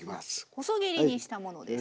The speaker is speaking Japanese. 細切りにしたものですね。